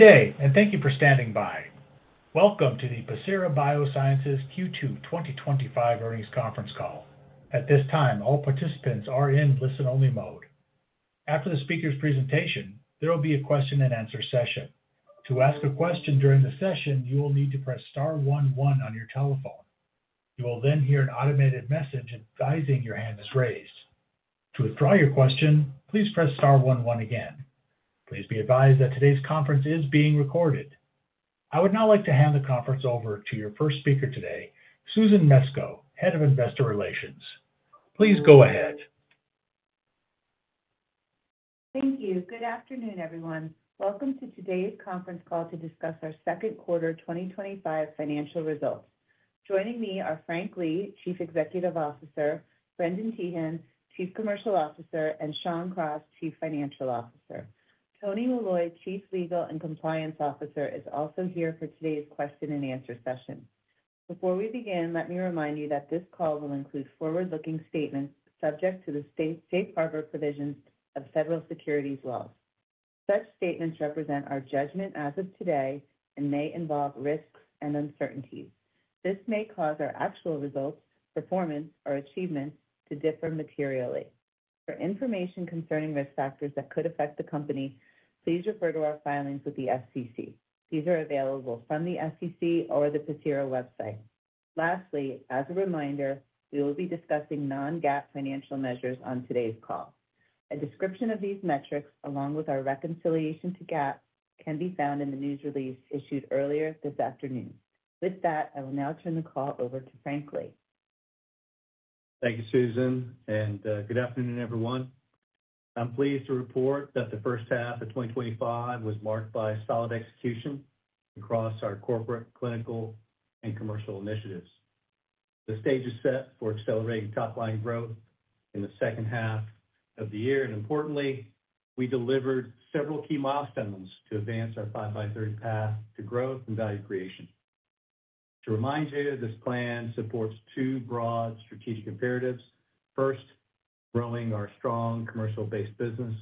Okay, and thank you for standing by. Welcome to the Pacira BioSciences Q2 2025 Earnings Conference Call. At this time, all participants are in listen-only mode. After the speaker's presentation, there will be a question-and-answer session. To ask a question during the session, you will need to press star one star one one on your telephone. You will then hear an automated message advising your hand is raised. To withdraw your question, please press star one one again. Please be advised that today's conference is being recorded. I would now like to hand the conference over to your first speaker today, Susan Meskco, Head of Investor Relations. Please go ahead. Thank you. Good afternoon, everyone. Welcome to today's conference call to discuss our second quarter 2025 financial results. Joining me are Frank Lee, Chief Executive Officer; Brendan Teehan, Chief Commercial Officer; and Shawn Cross, Chief Financial Officer. Tony Molloy, Chief Legal and Compliance Officer, is also here for today's question-and-answer session. Before we begin, let me remind you that this call will include forward-looking statements subject to the Safe Harbor provisions of Federal Securities Law. Such statements represent our judgment as of today and may involve risks and uncertainties. This may cause our actual results, performance, or achievements to differ materially. For information concerning risk factors that could affect the company, please refer to our filings with the SEC. These are available from the SEC or the Pacira BioSciences website. Lastly, as a reminder, we will be discussing non-GAAP financial measures on today's call. A description of these metrics, along with our reconciliation to GAAP, can be found in the news release issued earlier this afternoon. With that, I will now turn the call over to Frank Lee. Thank you, Susan, and good afternoon, everyone. I'm pleased to report that the first half of 2025 was marked by solid execution across our corporate, clinical, and commercial initiatives. The stage is set for accelerating top-line growth in the second half of the year, and importantly, we delivered several key milestones to advance our 5x30 path to growth and value creation. To remind you, this plan supports two broad strategic imperatives: first, growing our strong commercial-based business,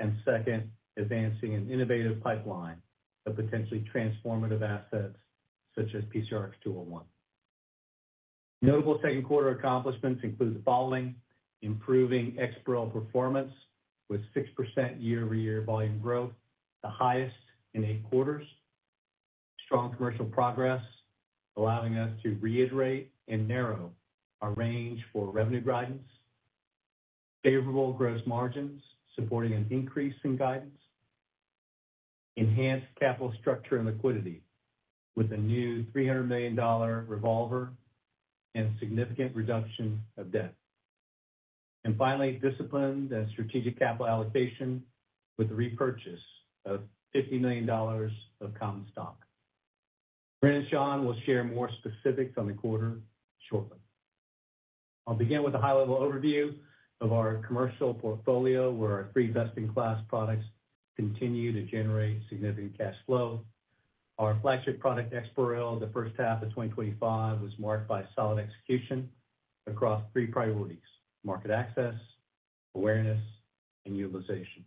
and second, advancing an innovative pipeline of potentially transformative assets such as PCRX-201. Notable second quarter accomplishments include the following: improving EXPAREL performance with 6% year-over-year volume growth, the highest in eight quarters, strong commercial progress allowing us to reiterate and narrow our range for revenue guidance, favorable gross margins supporting an increase in guidance, enhanced capital structure and liquidity with a new $300 million revolver and significant reduction of debt, and finally, disciplined strategic capital allocation with the repurchase of $50 million of common stock. Brendan and Shawn will share more specifics on the quarter shortly. I'll begin with a high-level overview of our commercial portfolio, where our three best-in-class products continue to generate significant cash flow. Our flagship product, EXPAREL, in the first half of 2025 was marked by solid execution across three priorities: market access, awareness, and utilization.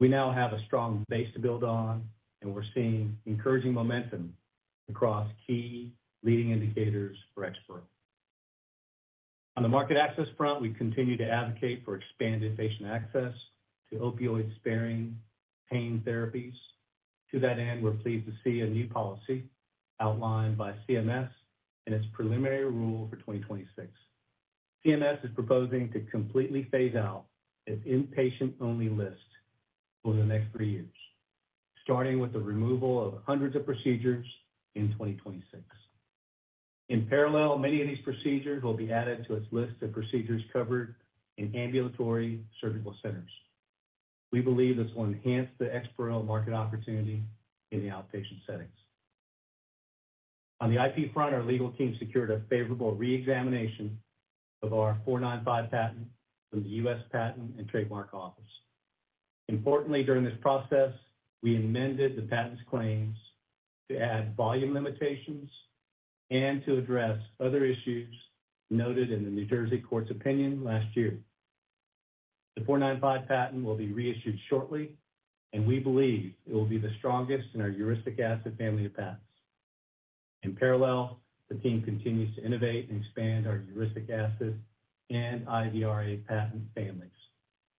We now have a strong base to build on, and we're seeing encouraging momentum across key leading indicators for EXPAREL. On the market access front, we continue to advocate for expanded patient access to opioid-sparing pain therapies. To that end, we're pleased to see a new policy outlined by CMS in its preliminary rule for 2026. CMS is proposing to completely phase out an inpatient-only list over the next three years, starting with the removal of hundreds of procedures in 2026. In parallel, many of these procedures will be added to its list of procedures covered in ambulatory surgical centers. We believe this will enhance the EXPAREL market opportunity in the outpatient settings. On the IP front, our legal team secured a favorable re-examination of our 495 patent from the U.S. Patent and Trademark Office. Importantly, during this process, we amended the patent's claims to add volume limitations and to address other issues noted in the New Jersey Court's opinion last June. The 495 patent will be reissued shortly, and we believe it will be the strongest in our heuristic asset family of patents. In parallel, the team continues to innovate and expand our heuristic asset and IVRA patent families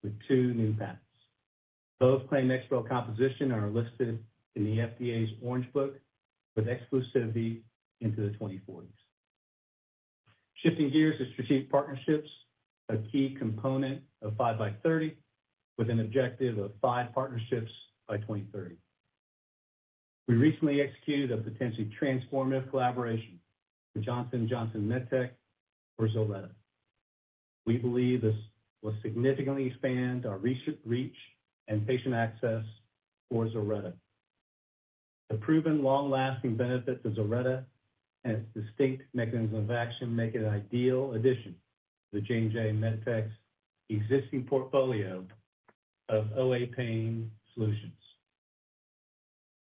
with two new patents. Both claim EXPAREL composition and are listed in the FDA's Orange Book with exclusivity into the 2040s. Shifting gears to strategic partnerships, a key component of 5x30 with an objective of five partnerships by 2030. We recently executed a potentially transformative collaboration with Johnson & Johnson MedTech for ZILRETTA. We believe this will significantly expand our reach and patient access for ZILRETTA. The proven long-lasting benefits of ZILRETTA and its distinct mechanism of action make it an ideal addition to the Johnson & Johnson MedTech's existing portfolio of OA pain solutions.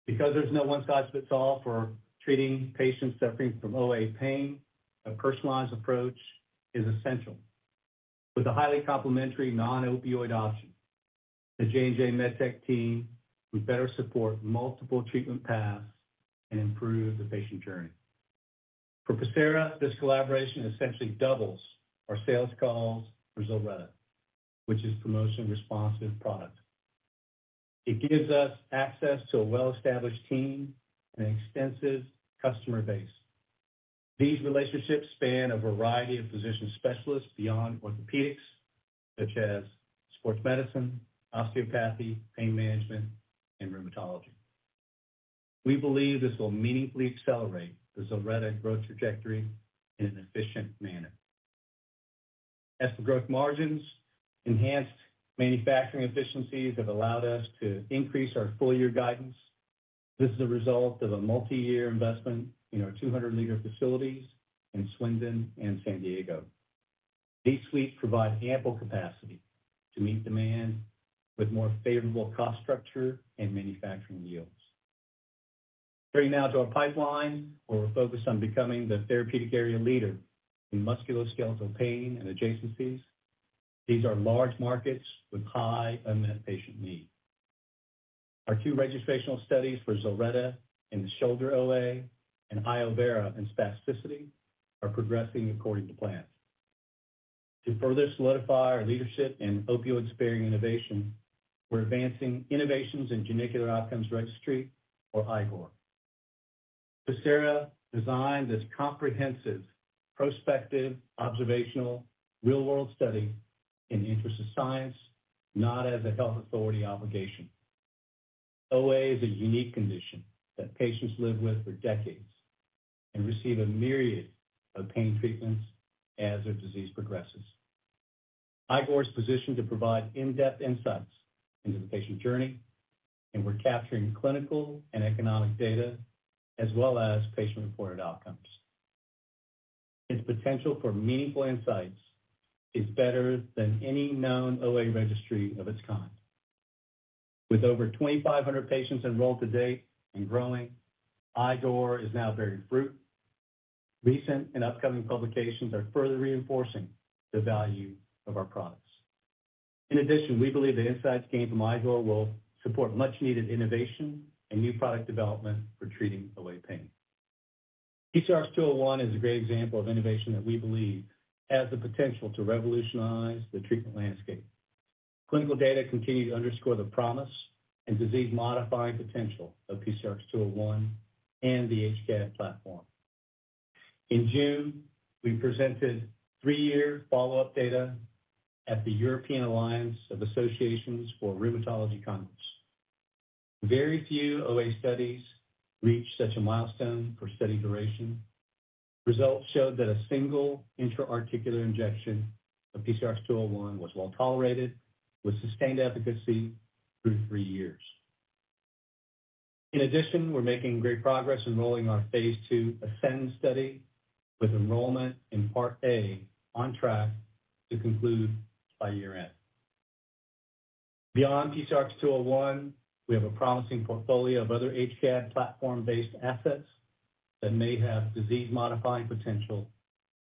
Because there's no one-size-fits-all for treating patients suffering from OA pain, a personalized approach is essential. With a highly complementary non-opioid option, the J&J MedTech team would better support multiple treatment paths and improve the patient journey. For Pacira, this collaboration essentially doubles our sales calls for ZILRETTA, which is a promotion-responsive product. It gives us access to a well-established team and an extensive customer base. These relationships span a variety of physician specialists beyond orthopedics, such as sports medicine, osteopathy, pain management, and rheumatology. We believe this will meaningfully accelerate the ZILRETTA growth trajectory in an efficient manner. As the gross margins enhanced manufacturing efficiencies, it allowed us to increase our full-year guidance. This is a result of a multi-year investment in our 200-liter facilities in Swindon and San Diego. These suites provide ample capacity to meet demand with more favorable cost structure and manufacturing yields. Carrying out our pipeline, we're focused on becoming the therapeutic area leader in musculoskeletal pain and adjacencies. These are large markets with high unmet patient needs. Our two registrational studies for ZILRETTA in the shoulder OA and iovera in spasticity are progressing according to plans. To further solidify our leadership in opioid-sparing innovation, we're advancing innovations in Genicular Outcomes Registry, or IGOR. Pacira designed this comprehensive prospective observational real-world study in the interest of science, not as a health authority obligation. OA is a unique condition that patients live with for decades and receive a myriad of pain treatments as their disease progresses. IGOR is positioned to provide in-depth insights into the patient journey, and we're capturing clinical and economic data as well as patient-reported outcomes. Its potential for meaningful insights is better than any known OA registry of its kind. With over 2,500 patients enrolled to date and growing, IGOR is now bearing fruit. Recent and upcoming publications are further reinforcing the value of our products. In addition, we believe the insights gained from IGOR will support much-needed innovation and new product development for treating OA pain. PCRX-201 is a great example of innovation that we believe has the potential to revolutionize the treatment landscape. Clinical data continue to underscore the promise and disease-modifying potential of PCRX-201 and the HCAd platform. In June, we presented three-year follow-up data at the European Alliance of Associations for Rheumatology Conference. Very few OA studies reach such a milestone for study duration. Results showed that a single intra-articular injection of PCRX-201 was well tolerated with sustained efficacy through three years. In addition, we're making great progress enrolling our phase III Ascend study with enrollment in Part A on track to conclude by year-end. Beyond PCRX-201, we have a promising portfolio of other HCAd platform-based assets that may have disease-modifying potential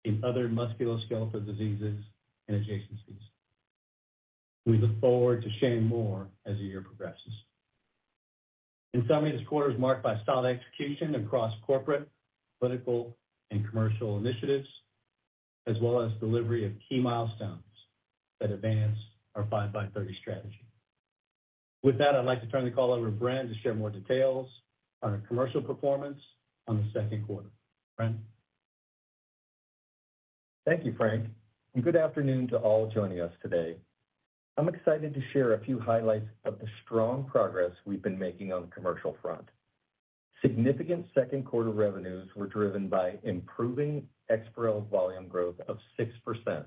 in other musculoskeletal diseases and adjacencies. We look forward to sharing more as the year progresses. In summary, this quarter is marked by solid execution across corporate, clinical, and commercial initiatives, as well as delivery of key milestones that advance our 5x30 strategy. With that, I'd like to turn the call over to Brendan to share more details on our commercial performance on the second quarter. Brendan? Thank you, Frank, and good afternoon to all joining us today. I'm excited to share a few highlights of the strong progress we've been making on the commercial front. Significant second quarter revenues were driven by improving EXPAREL volume growth of 6%.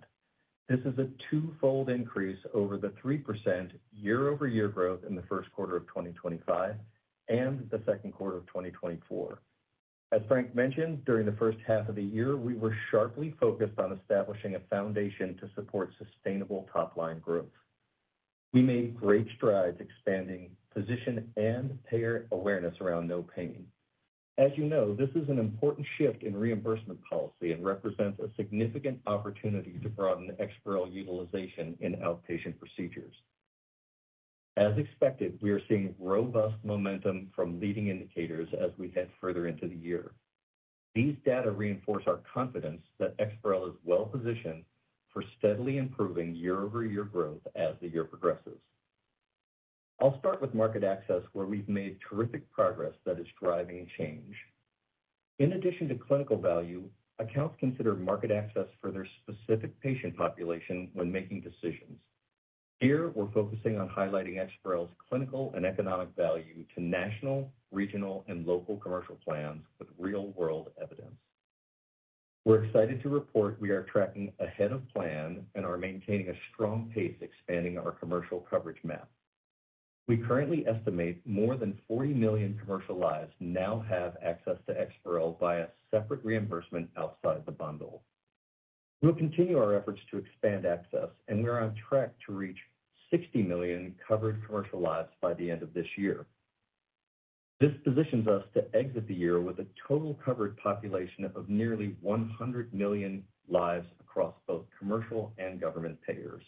This is a twofold increase over the 3% year-over-year growth in the first quarter of 2025 and the second quarter of 2024. As Frank mentioned, during the first half of the year, we were sharply focused on establishing a foundation to support sustainable top-line growth. We made great strides expanding physician and payer awareness around no pain. As you know, this is an important shift in reimbursement policy and represents a significant opportunity to broaden EXPAREL utilization in outpatient procedures. As expected, we are seeing robust momentum from leading indicators as we head further into the year. These data reinforce our confidence that EXPAREL is well-positioned for steadily improving year-over-year growth as the year progresses. I'll start with market access, where we've made terrific progress that is driving change. In addition to clinical value, accounts consider market access for their specific patient population when making decisions. Here, we're focusing on highlighting EXPAREL's clinical and economic value to national, regional, and local commercial plans with real-world evidence. We're excited to report we are tracking ahead of plan and are maintaining a strong pace expanding our commercial coverage map. We currently estimate more than 40 million commercial lives now have access to EXPAREL via separate reimbursement outside of the bundle. We'll continue our efforts to expand access, and we are on track to reach 60 million covered commercial lives by the end of this year. This positions us to exit the year with a total covered population of nearly 100 million lives across both commercial and government payers.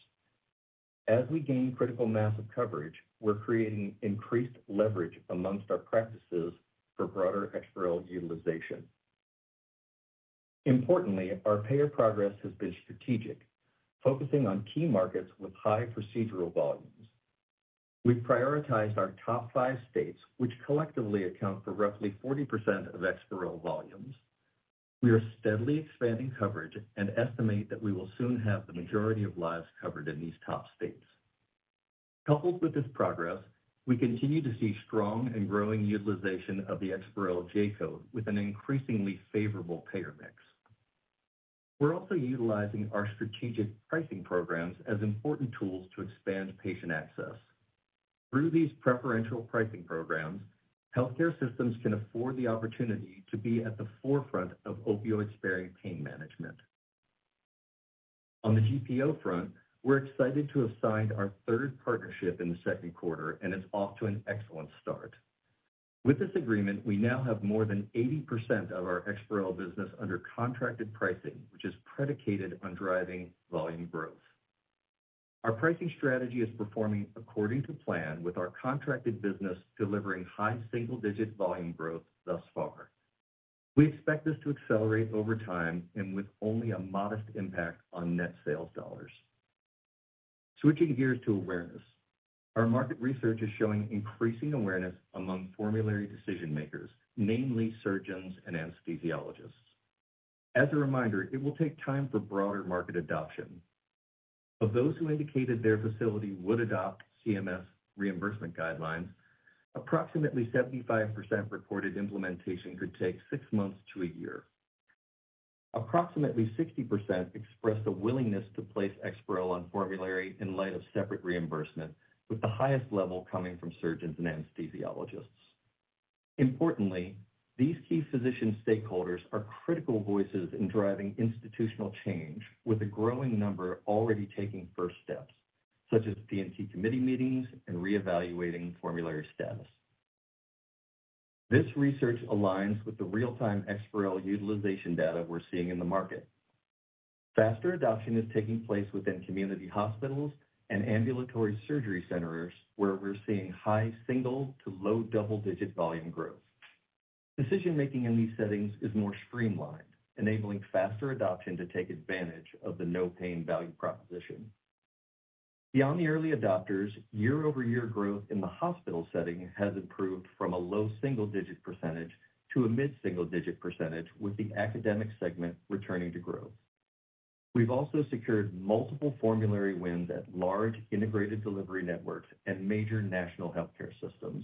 As we gain critical mass of coverage, we're creating increased leverage amongst our practices for broader EXPAREL utilization. Importantly, our payer progress has been strategic, focusing on key markets with high procedural volumes. We've prioritized our top five states, which collectively account for roughly 40% of EXPAREL volumes. We are steadily expanding coverage and estimate that we will soon have the majority of lives covered in these top states. Coupled with this progress, we continue to see strong and growing utilization of the EXPAREL J-code with an increasingly favorable payer mix. We're also utilizing our strategic pricing programs as important tools to expand patient access. Through these preferential pricing programs, healthcare systems can afford the opportunity to be at the forefront of opioid-sparing pain management. On the GPO front, we're excited to have signed our third partnership in the second quarter, and it's off to an excellent start. With this agreement, we now have more than 80% of our EXPAREL business under contracted pricing, which is predicated on driving volume growth. Our pricing strategy is performing according to plan, with our contracted business delivering high single-digit volume growth thus far. We expect this to accelerate over time and with only a modest impact on net sales dollars. Switching gears to awareness, our market research is showing increasing awareness among formulary decision-makers, namely surgeons and anesthesiologists. As a reminder, it will take time for broader market adoption. Of those who indicated their facility would adopt CMS reimbursement guidelines, approximately 75% reported implementation could take six months to a year. Approximately 60% expressed a willingness to place EXPAREL on formulary in light of separate reimbursement, with the highest level coming from surgeons and anesthesiologists. Importantly, these key physician stakeholders are critical voices in driving institutional change, with a growing number already taking first steps, such as P&T committee meetings and reevaluating formulary status. This research aligns with the real-time EXPAREL utilization data we're seeing in the market. Faster adoption is taking place within community hospitals and ambulatory surgery centers, where we're seeing high single to low double-digit volume growth. Decision-making in these settings is more streamlined, enabling faster adoption to take advantage of the no-pain value proposition. Beyond the early adopters, year-over-year growth in the hospital setting has improved from a low single-digit percentage to a mid-single-digit percentage, with the academic segment returning to growth. We've also secured multiple formulary wins at large integrated delivery networks and major national healthcare systems.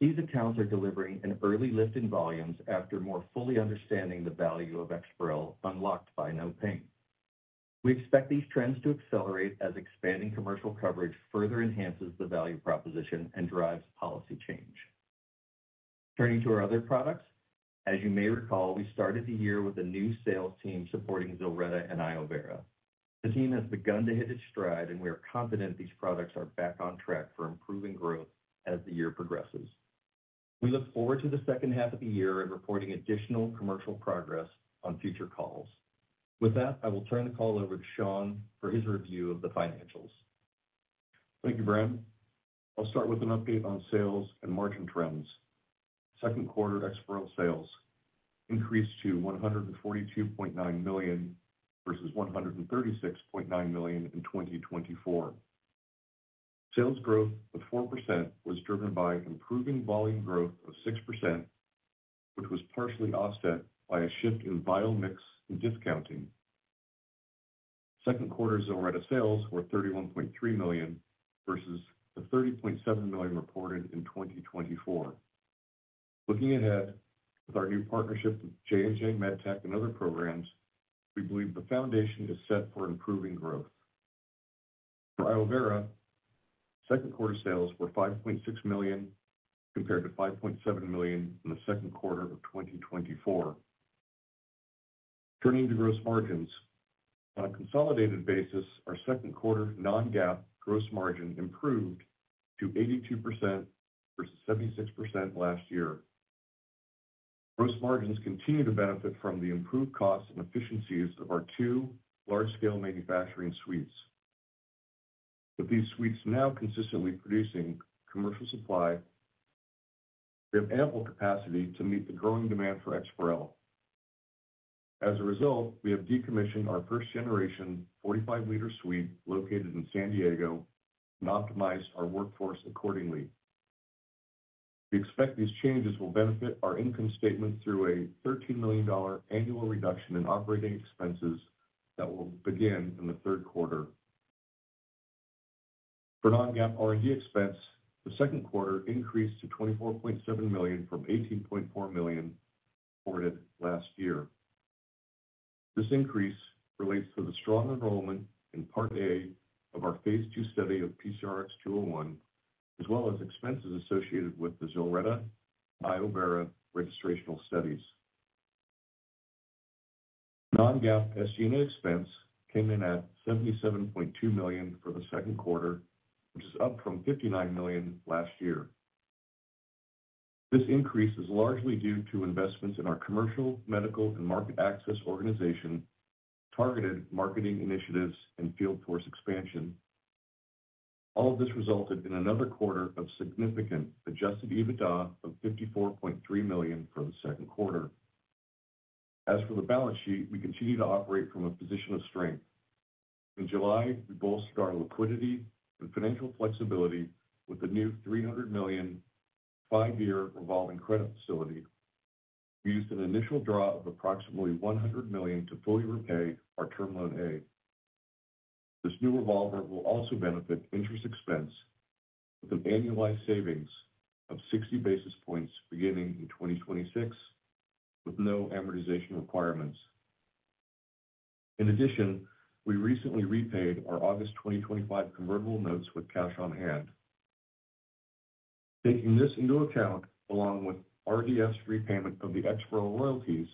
These accounts are delivering an early lift in volumes after more fully understanding the value of EXPAREL unlocked by no pain. We expect these trends to accelerate as expanding commercial coverage further enhances the value proposition and drives policy change. Turning to our other products, as you may recall, we started the year with a new sales team supporting ZILRETTA and iovera. The team has begun to hit its stride, and we are confident these products are back on track for improving growth as the year progresses. We look forward to the second half of the year and reporting additional commercial progress on future calls. With that, I will turn the call over to Shawn for his review of the financials. Thank you, Brendan. I'll start with an update on sales and margin trends. Second quarter EXPAREL sales increased to $142.9 million versus $136.9 million in 2024. Sales growth of 4% was driven by improving volume growth of 6%, which was partially offset by a shift in bio mix and discounting. Second quarter ZILRETTA sales were $31.3 million versus the $30.7 million reported in 2024. Looking ahead with our new partnership with J&J MedTech and other programs, we believe the foundation is set for improving growth. For iovera, second quarter sales were $5.6 million compared to $5.7 million in the second quarter of 2024. Turning to gross margins, on a consolidated basis, our second quarter non-GAAP gross margin improved to 82% versus 76% last year. Gross margins continue to benefit from the improved costs and efficiencies of our two large-scale manufacturing suites. With these suites now consistently producing commercial supply, we have ample capacity to meet the growing demand for EXPAREL. As a result, we have decommissioned our first-generation 45-liter suite located in San Diego and optimized our workforce accordingly. We expect these changes will benefit our income statement through a $13 million annual reduction in operating expenses that will begin in the third quarter. For non-GAAP R&D expense, the second quarter increased to $24.7 million from $18.4 million reported last year. This increase relates to the strong enrollment in Part A of our phase II Ascend study of PCRX-201, as well as expenses associated with the ZILRETTA/iovera registrational studies. Non-GAAP SG&A expense came in at $77.2 million for the second quarter, which is up from $59 million last year. This increase is largely due to investments in our commercial, medical, and market access organization, targeted marketing initiatives, and field force expansion. All of this resulted in another quarter of significant adjusted EBITDA of $54.3 million for the second quarter. As for the balance sheet, we continue to operate from a position of strength. In July, we bolstered our liquidity and financial flexibility with a new $300 million five-year revolving credit facility. We used an initial draw of approximately $100 million to fully repay our term loan A. This new revolver will also benefit interest expense with an annualized savings of 60 basis points beginning in 2026, with no amortization requirements. In addition, we recently repaid our August 2025 convertible notes with cash on hand. Taking this into account, along with RDS repayment of the EXPAREL royalties,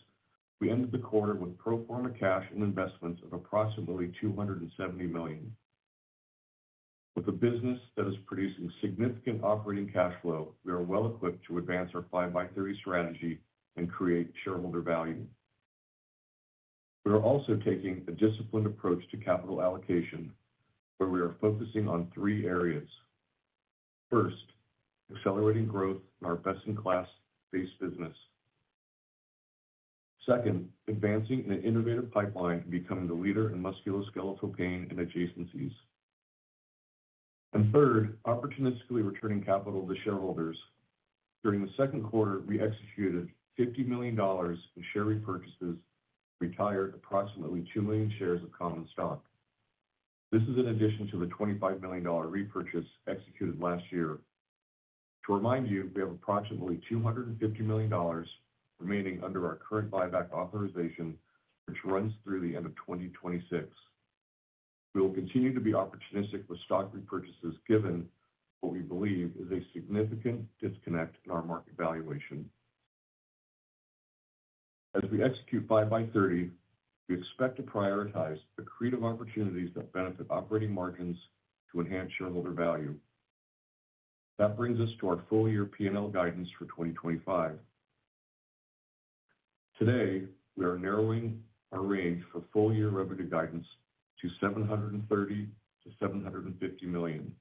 we ended the quarter with pro forma cash and investments of approximately $270 million. With a business that is producing significant operating cash flow, we are well equipped to advance our 5x30 strategy and create shareholder value. We are also taking a disciplined approach to capital allocation, where we are focusing on three areas. First, accelerating growth in our best-in-class base business. Second, advancing an innovative pipeline and becoming the leader in musculoskeletal pain and adjacencies. Third, opportunistically returning capital to shareholders. During the second quarter, we executed $50 million in share repurchases and retired approximately 2 million shares of common stock. This is in addition to the $25 million repurchase executed last year. To remind you, we have approximately $250 million remaining under our current buyback authorization, which runs through the end of 2026. We will continue to be opportunistic with stock repurchases, given what we believe is a significant disconnect in our market valuation. As we execute 5x30, we expect to prioritize accretive opportunities that benefit operating margins to enhance shareholder value. That brings us to our full-year P&L guidance for 2025. Today, we are narrowing our range for full-year revenue guidance to $730 million-$750 million.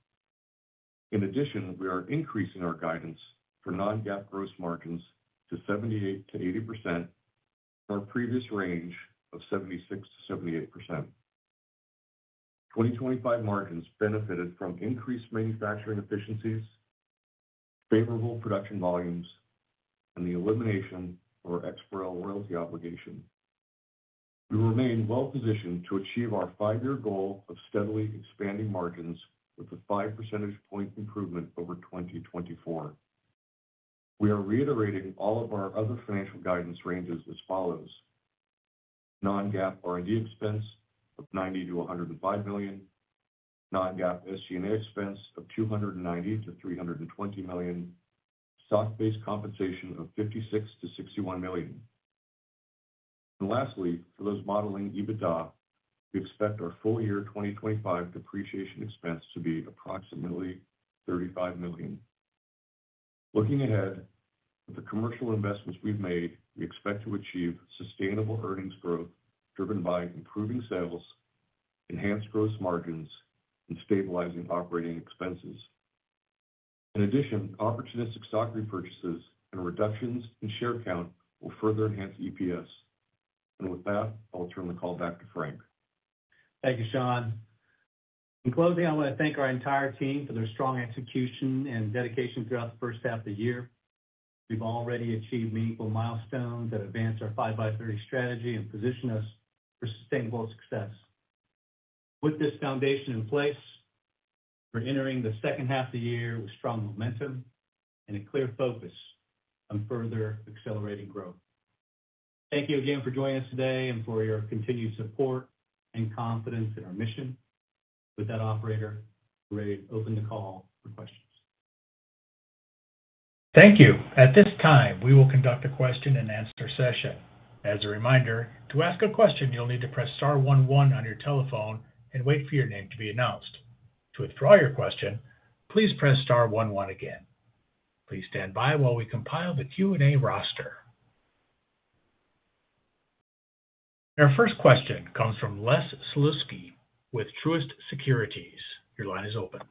In addition, we are increasing our guidance for non-GAAP gross margins to 78%-80%, from our previous range of 76%-78%. 2025 margins benefited from increased manufacturing efficiencies, favorable production volumes, and the elimination of our EXPAREL royalty obligation. We remain well positioned to achieve our five-year goal of steadily expanding margins with a 5 percentage point improvement over 2024. We are reiterating all of our other financial guidance ranges as follows: non-GAAP R&D expense of $90 million-$105 million, non-GAAP SG&A expense of $290 million-$320 million, stock-based compensation of $56 million-$61 million. Lastly, for those modeling EBITDA, we expect our full-year 2025 depreciation expense to be approximately $35 million. Looking ahead, with the commercial investments we've made, we expect to achieve sustainable earnings growth driven by improving sales, enhanced gross margins, and stabilizing operating expenses. In addition, opportunistic stock repurchases and reductions in share count will further enhance EPS. With that, I'll turn the call back to Frank. Thank you, Shawn. In closing, I want to thank our entire team for their strong execution and dedication throughout the first half of the year. We've already achieved meaningful milestones that advance our 5x30 strategy and position us for sustainable success. With this foundation in place, we're entering the second half of the year with strong momentum and a clear focus on further accelerating growth. Thank you again for joining us today and for your continued support and confidence in our mission. With that, operator, we're ready to open the call for questions. Thank you. At this time, we will conduct a question-and-answer session. As a reminder, to ask a question, you'll need to press star one one on your telephone and wait for your name to be announced. To withdraw your question, please press star one one again. Please stand by while we compile the Q&A roster. Our first question comes from Les Sulewski with Truist Securities. Your line is open.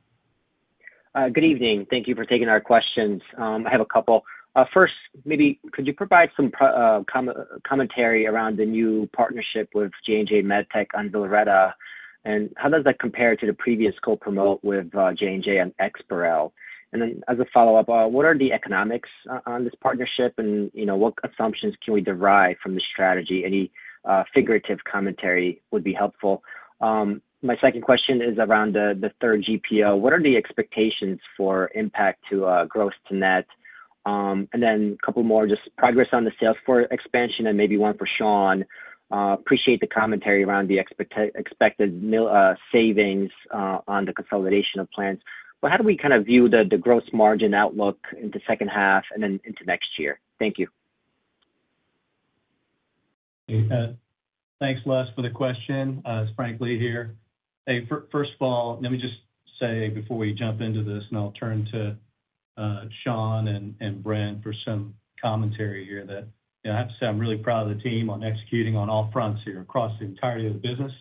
Good evening. Thank you for taking our questions. I have a couple. First, maybe could you provide some commentary around the new partnership with J&J MedTech on ZILRETTA? How does that compare to the previous co-promote with J&J on EXPAREL? As a follow-up, what are the economics on this partnership? What assumptions can we derive from this strategy? Any figurative commentary would be helpful. My second question is around the third GPO. What are the expectations for impact to gross to net? A couple more, just progress on the sales for expansion and maybe one for Shawn. Appreciate the commentary around the expected savings on the consolidation of plans. How do we kind of view the gross margin outlook into the second half and then into next year? Thank you. Thanks, Les, for the question. It's Frank Lee here. First of all, let me just say before we jump into this, and I'll turn to Shawn and Brendan for some commentary here, that I have to say I'm really proud of the team on executing on all fronts here across the entirety of the business.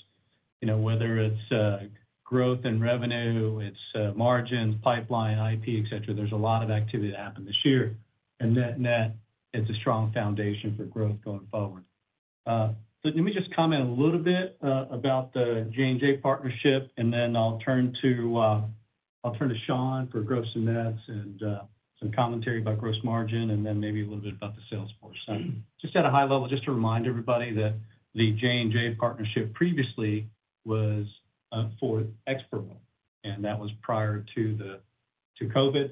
Whether it's growth and revenue, it's margins, pipeline, IP, et cetera, there's a lot of activity that happened this year. Net net, it's a strong foundation for growth going forward. Let me just comment a little bit about the J&J partnership, and then I'll turn to Shawn for gross and nets and some commentary about gross margin and then maybe a little bit about the sales force. At a high level, just to remind everybody that the J&J partnership previously was for EXPAREL, and that was prior to COVID.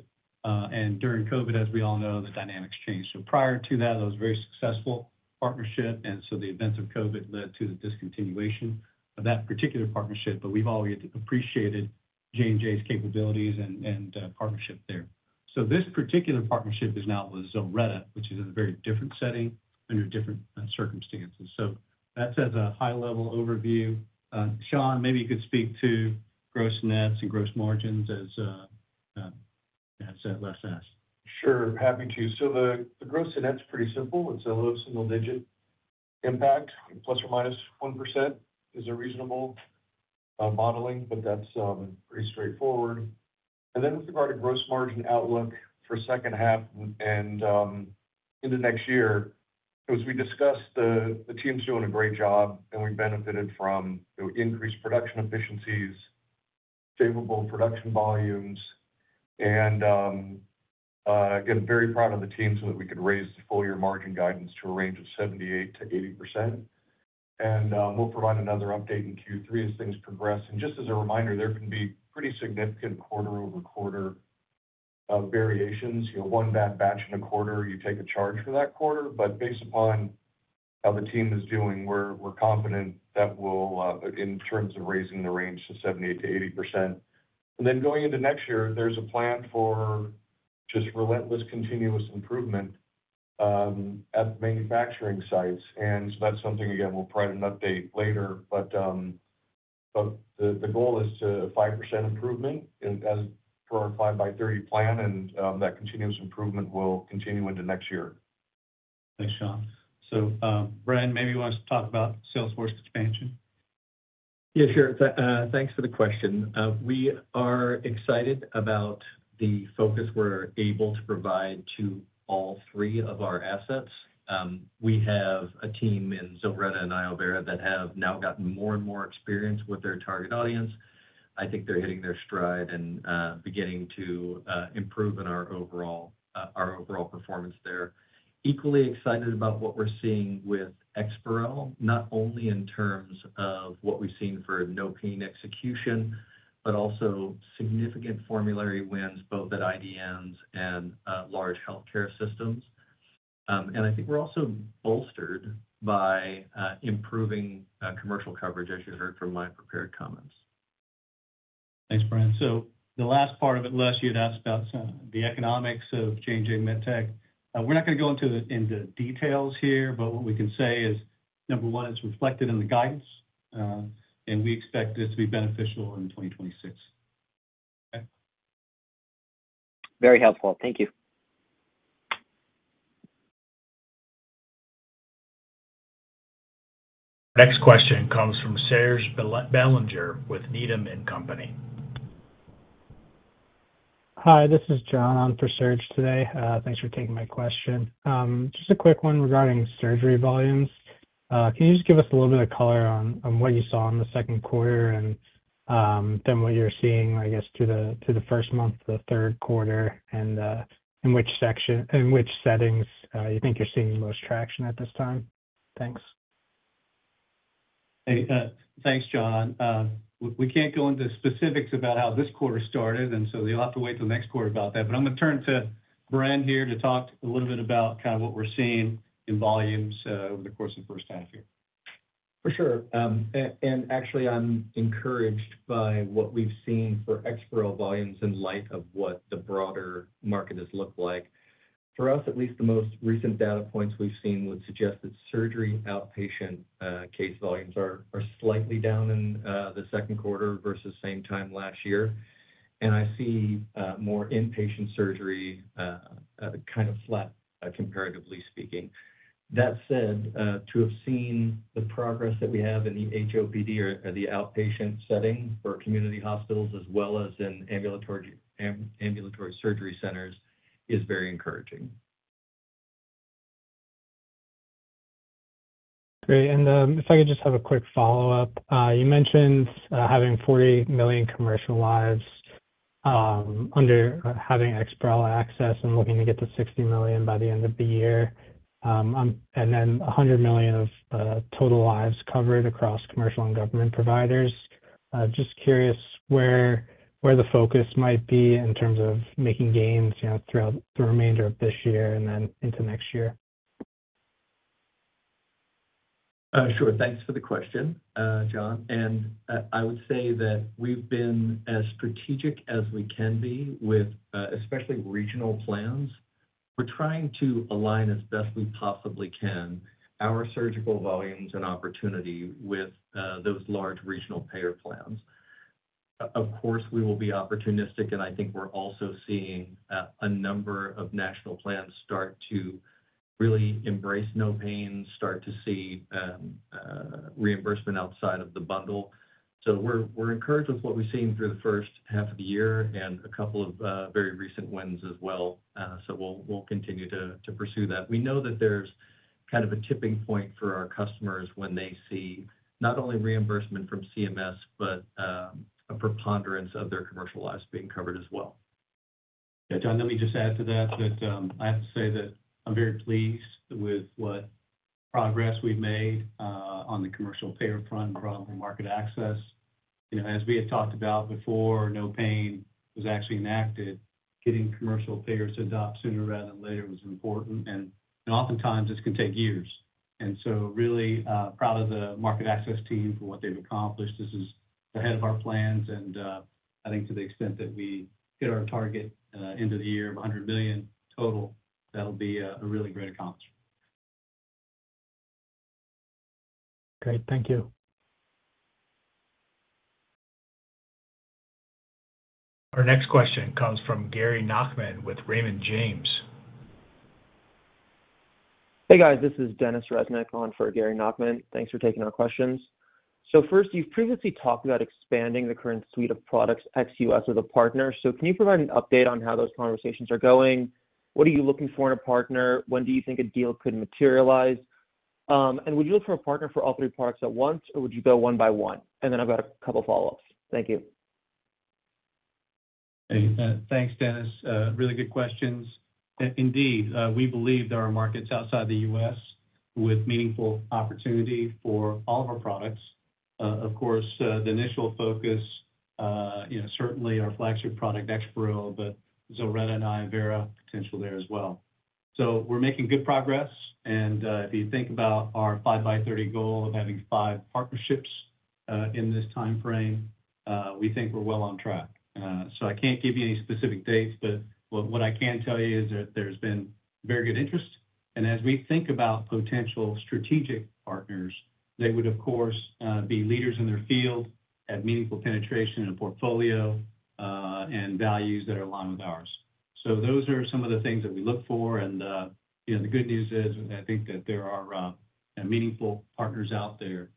During COVID, as we all know, the dynamics changed. Prior to that, that was a very successful partnership. The events of COVID led to the discontinuation of that particular partnership. We've always appreciated J&J's capabilities and partnership there. This particular partnership is now with ZILRETTA, which is in a very different setting under different circumstances. That's as a high-level overview. Shawn, maybe you could speak to gross nets and gross margins as that's assets. Sure, happy to. The gross and net is pretty simple. It's a low single-digit impact, plus or minus 1% is a reasonable modeling, but that's pretty straightforward. With regard to gross margin outlook for the second half and into next year, as we discussed, the team is doing a great job, and we've benefited from increased production efficiencies, favorable production volumes, and again, very proud of the teams that we could raise to full-year margin guidance to a range of 78%-80%. We'll provide another update in Q3 as things progress. Just as a reminder, there can be pretty significant quarter-over-quarter variations. One bad batch in a quarter, you take a charge for that quarter. Based upon how the team is doing, we're confident that we'll, in terms of raising the range to 78%-80%. Going into next year, there's a plan for just relentless continuous improvement at the manufacturing sites. That's something, again, we'll try and update later. The goal is to 5% improvement as per our 5x30 plan, and that continuous improvement will continue into next year. Thanks, Shawn. Brendan, maybe you want us to talk about sales force expansion? Yeah, sure. Thanks for the question. We are excited about the focus we're able to provide to all three of our assets. We have a team in ZILRETTA and iovera that have now gotten more and more experience with their target audience. I think they're hitting their stride and beginning to improve in our overall performance there. Equally excited about what we're seeing with EXPAREL, not only in terms of what we've seen for no-pain execution, but also significant formulary wins, both at IDMs and large healthcare systems. I think we're also bolstered by improving commercial coverage, as you heard from my prepared comments. Thanks, Brendan. The last part of it, Les, you asked about the economics of J&J MedTech. We're not going to go into details here, but what we can say is, number one, it's reflected in the guidance, and we expect this to be beneficial in 2026. Very helpful. Thank you. Next question comes from Serge Belanger with Needham. Hi, this is John on for Serge today. Thanks for taking my question. Just a quick one regarding surgery volumes. Can you just give us a little bit of color on what you saw in the second quarter and then what you're seeing, I guess, through the first month of the third quarter, and in which settings you think you're seeing the most traction at this time? Thanks. Thanks, John. We can't go into specifics about how this quarter started, so you'll have to wait till next quarter about that. I'm going to turn to Brendan here to talk a little bit about kind of what we're seeing in volumes over the course of the first half here. For sure. Actually, I'm encouraged by what we've seen for EXPAREL volumes in light of what the broader market has looked like. For us, at least, the most recent data points we've seen would suggest that surgery outpatient case volumes are slightly down in the second quarter versus the same time last year. I see more inpatient surgery kind of flat, comparatively speaking. That said, to have seen the progress that we have in the HOPD or the outpatient setting for community hospitals as well as in ambulatory surgery centers is very encouraging. Great. If I could just have a quick follow-up, you mentioned having 40 million commercial lives under having EXPAREL access and looking to get to 60 million by the end of the year, and then 100 million of total lives covered across commercial and government providers. I'm just curious where the focus might be in terms of making gains throughout the remainder of this year and then into next year. Sure. Thanks for the question, John. I would say that we've been as strategic as we can be with especially regional plans. We're trying to align as best we possibly can our surgical volumes and opportunity with those large regional payer plans. Of course, we will be opportunistic, and I think we're also seeing a number of national plans start to really embrace no pain, start to see reimbursement outside of the bundle. We are encouraged with what we've seen through the first half of the year and a couple of very recent wins as well. We will continue to pursue that. We know that there's kind of a tipping point for our customers when they see not only reimbursement from CMS, but a preponderance of their commercial lives being covered as well. Yeah, John, let me just add to that. I have to say that I'm very pleased with what progress we've made on the commercial payer front and probably market access. You know, as we had talked about before, no pain was actually enacted. Getting commercial payers to adopt sooner rather than later was important. Oftentimes, this can take years. I'm really proud of the market access team for what they've accomplished. This is ahead of our plans. I think to the extent that we hit our target end of the year of $100 million total, that'll be a really great accomplishment. Great. Thank you. Our next question comes from Gary Nachman with Raymond James. Hey, guys. This is Denis Reznik on for Gary Nachman. Thanks for taking our questions. You've previously talked about expanding the current suite of products ex-U.S. as a partner. Can you provide an update on how those conversations are going? What are you looking for in a partner? When do you think a deal could materialize? Would you look for a partner for all three products at once, or would you go one by one? I've got a couple of follow-ups. Thank you. Thanks, Denis. Really good questions. Indeed, we believe there are markets outside the U.S. with meaningful opportunity for all of our products. Of course, the initial focus, you know, certainly our flagship product, EXPAREL, but ZILRETTA and iovera potential there as well. We're making good progress. If you think about our 5x30 goal of having five partnerships in this timeframe, we think we're well on track. I can't give you any specific dates, but what I can tell you is that there's been very good interest. As we think about potential strategic partners, they would, of course, be leaders in their field, have meaningful penetration in a portfolio, and values that are aligned with ours. Those are some of the things that we look for. The good news is, I think that there are meaningful partners out there.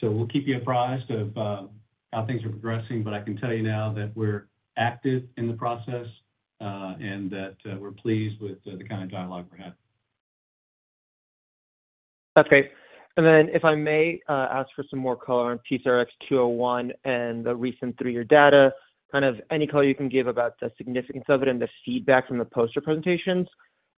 We'll keep you apprised of how things are progressing. I can tell you now that we're active in the process and that we're pleased with the kind of dialogue we're having. Okay. If I may ask for some more color on PCRX-201 and the recent three-year data, any color you can give about the significance of it and the feedback from the poster presentations.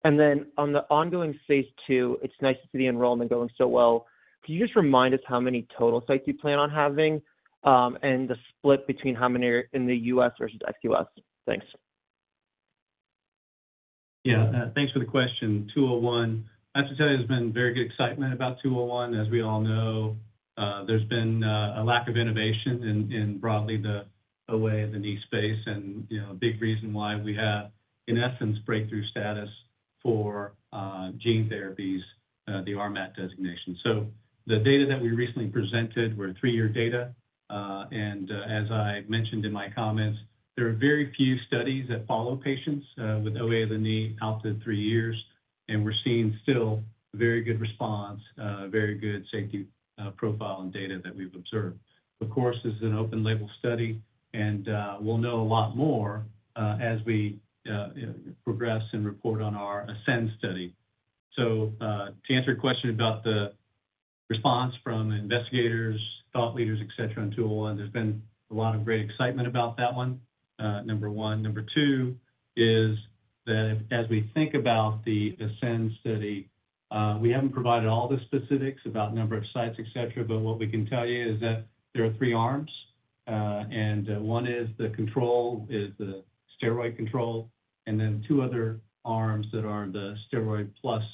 On the ongoing phase II, it's nice to see the enrollment going so well. Could you just remind us how many total sites you plan on having and the split between how many are in the U.S. versus ex-U.S.? Thanks. Yeah, thanks for the question. PCRX-201, I have to tell you, there's been very good excitement about PCRX-201. As we all know, there's been a lack of innovation in broadly the OA and the knee space. The big reason why we have, in essence, breakthrough status for gene therapies is the RMAT designation. The data that we recently presented were three-year data. As I mentioned in my comments, there are very few studies that follow patients with OA of the knee out to three years. We're seeing still a very good response, a very good safety profile, and data that we've observed. Of course, this is an open-label study, and we'll know a lot more as we progress and report on our phase II Ascend study. To answer your question about the response from investigators, thought leaders, et cetera, on PCRX-201, there's been a lot of great excitement about that one, number one. Number two is that as we think about the Ascend study, we haven't provided all the specifics about the number of sites, et cetera. What we can tell you is that there are three arms. One is the control, the steroid control, and then two other arms that are the steroid plus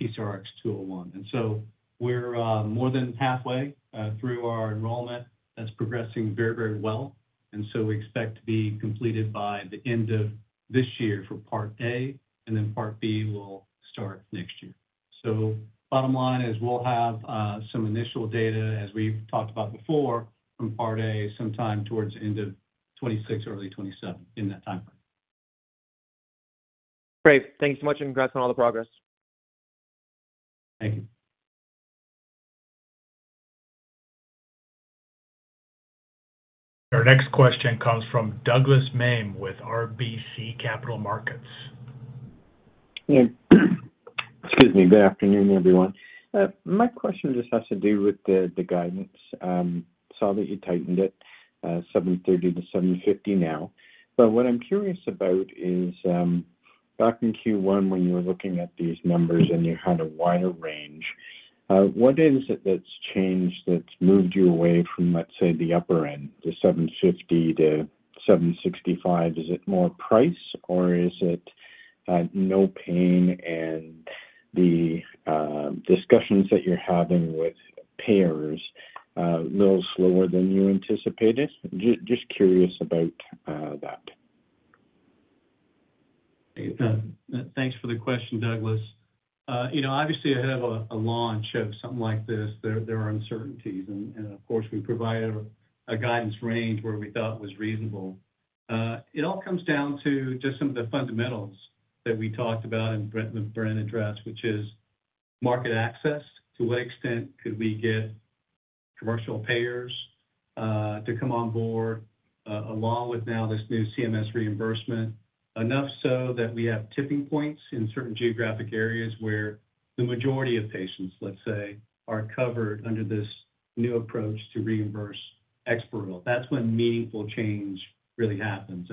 PCRX-201. We're more than halfway through our enrollment. That's progressing very, very well. We expect to be completed by the end of this year for Part A. Part B will start next year. The bottom line is we'll have some initial data, as we've talked about before, from Part A sometime towards the end of 2026, early 2027, in that time. Great. Thanks so much, and congrats on all the progress. Thank you. Our next question comes from Douglas Miehm with RBC Capital Markets. Excuse me. Good afternoon, everyone. My question just has to do with the guidance. I saw that you tightened it, $730 million-$750 million now. What I'm curious about is back in Q1, when you were looking at these numbers and you had a wider range, what is it that's changed that's moved you away from, let's say, the upper end, the $750 million-$765 million? Is it more price, or is it no pain and the discussions that you're having with payers a little slower than you anticipated? Just curious about that. Thanks for the question, Douglas. Obviously, to have a launch of something like this, there are uncertainties. Of course, we provided a guidance range where we thought it was reasonable. It all comes down to just some of the fundamentals that we talked about and Brendan addressed, which is market access. To what extent could we get commercial payers to come on board along with now this new CMS reimbursement? Enough so that we have tipping points in certain geographic areas where the majority of patients, let's say, are covered under this new approach to reimburse EXPAREL. That's when meaningful change really happens.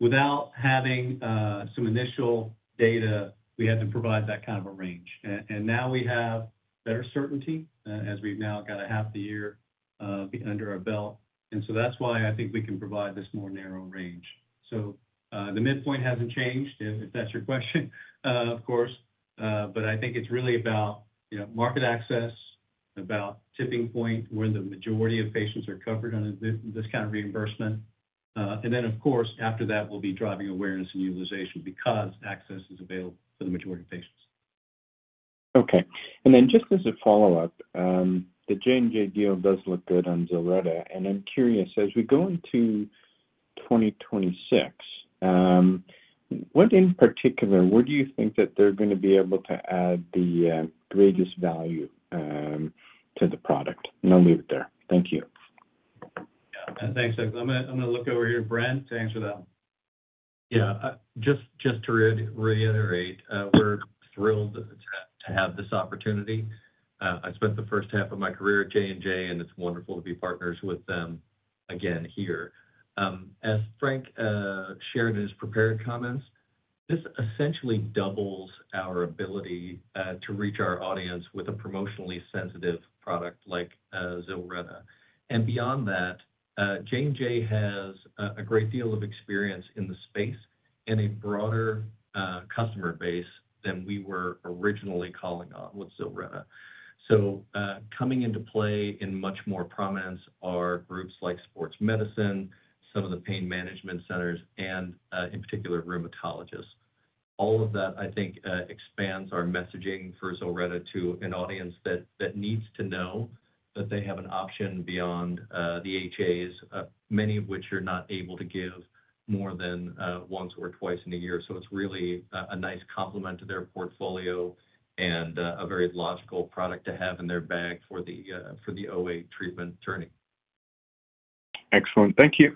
Without having some initial data, we had to provide that kind of a range. Now we have better certainty as we've now got half the year under our belt. That's why I think we can provide this more narrow range. The midpoint hasn't changed, if that's your question, of course. I think it's really about market access, about tipping point, when the majority of patients are covered under this kind of reimbursement. After that, we'll be driving awareness and utilization because access is available for the majority of patients. Okay. Just as a follow-up, the J&J deal does look good on ZILRETTA. I'm curious, as we go into 2026, what in particular do you think that they're going to be able to add the greatest value to the product? I'll leave it there. Thank you. Yeah. Thanks, Denis. I'm going to look over here. Brendan, to answer that one. Yeah. Just to reiterate, we're thrilled to have this opportunity. I spent the first half of my career at J&J, and it's wonderful to be partners with them again here. As Frank shared in his prepared comments, this essentially doubles our ability to reach our audience with a promotionally sensitive product like ZILRETTA. Beyond that, J&J has a great deal of experience in the space and a broader customer base than we were originally calling on with ZILRETTA. Coming into play in much more prominence are groups like sports medicine, some of the pain management centers, and in particular, rheumatologists. All of that, I think, expands our messaging for ZILRETTA to an audience that needs to know that they have an option beyond the HAs, many of which are not able to give more than once or twice in a year. It's really a nice complement to their portfolio and a very logical product to have in their bag for the OA treatment journey. Excellent. Thank you.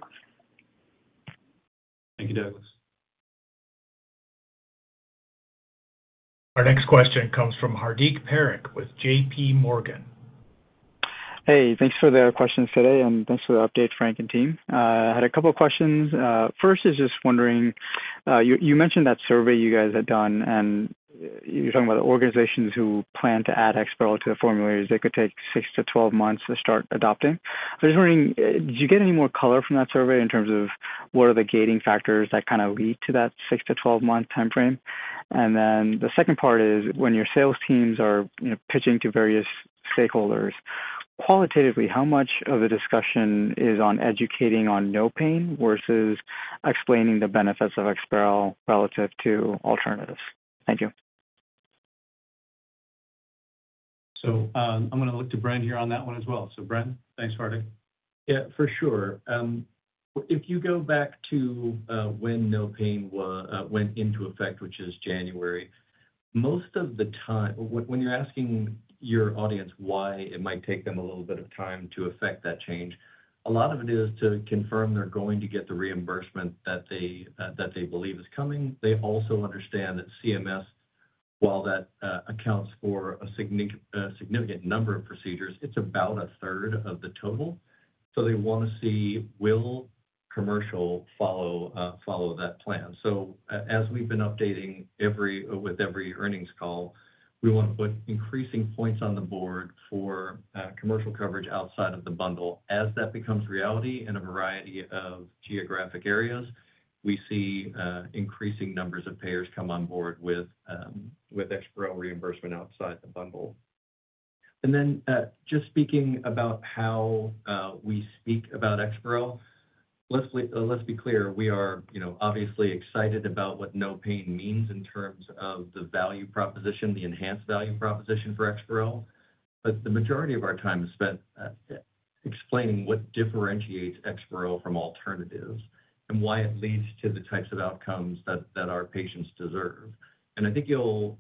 Thank you, Douglas. Our next question comes from Hardik Parikh with JPMorgan. Hey, thanks for the questions today and thanks for the update, Frank and team. I had a couple of questions. First, just wondering, you mentioned that survey you guys had done, and you're talking about the organizations who plan to add EXPAREL to the formularies, they could take 6 to 12 months to start adopting. I'm just wondering, did you get any more color from that survey in terms of what are the gating factors that kind of lead to that 6 to 12-month timeframe? The second part is when your sales teams are pitching to various stakeholders, qualitatively, how much of the discussion is on educating on no pain versus explaining the benefits of EXPAREL relative to alternatives? Thank you. I'm going to look to Brendan here on that one as well. Brendan, thanks, Hardik. Yeah, for sure. If you go back to when No Pain went into effect, which is January, most of the time, when you're asking your audience why it might take them a little bit of time to effect that change, a lot of it is to confirm they're going to get the reimbursement that they believe is coming. They also understand that CMS, while that accounts for a significant number of procedures, it's about a third of the total. They want to see, will commercial follow that plan? As we've been updating with every earnings call, we want to put increasing points on the board for commercial coverage outside of the bundle. As that becomes reality in a variety of geographic areas, we see increasing numbers of payers come on board with EXPAREL reimbursement outside the bundle. Just speaking about how we speak about EXPAREL, let's be clear. We are obviously excited about what No Pain means in terms of the value proposition, the enhanced value proposition for EXPAREL. The majority of our time is spent explaining what differentiates EXPAREL from alternatives and why it leads to the types of outcomes that our patients deserve. I think you'll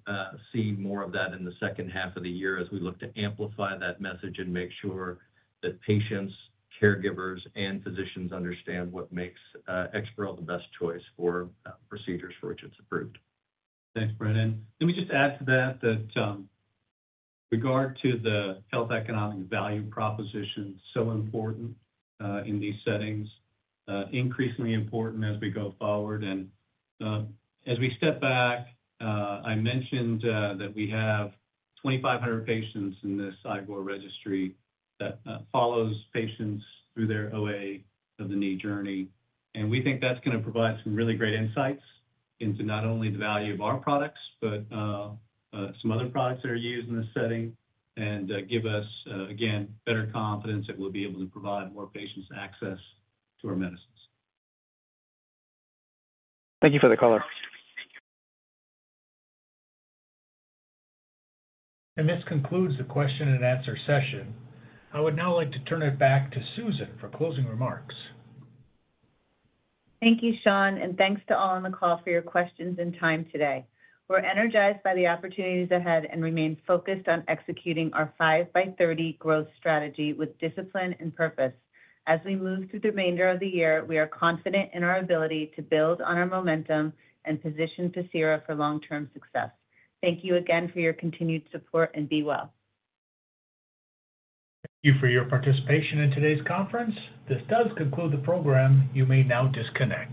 see more of that in the second half of the year as we look to amplify that message and make sure that patients, caregivers, and physicians understand what makes EXPAREL the best choice for procedures for which it's approved. Thanks, Brendan. Let me just add to that that with regard to the health economic value proposition, it is so important in these settings, increasingly important as we go forward. As we step back, I mentioned that we have 2,500 patients in this iovera registry that follows patients through their OA of the knee journey. We think that's going to provide some really great insights into not only the value of our products, but some other products that are used in the setting and give us, again, better confidence that we'll be able to provide more patients access to our medicines. Thank you for the color. This concludes the question-and-answer session. I would now like to turn it back to Susan for closing remarks. Thank you, Shawn, and thanks to all on the call for your questions and time today. We're energized by the opportunities ahead and remain focused on executing our 5x30 growth strategy with discipline and purpose. As we move through the remainder of the year, we are confident in our ability to build on our momentum and position Pacira for long-term success. Thank you again for your continued support and be well. Thank you for your participation in today's conference. This does conclude the program. You may now disconnect.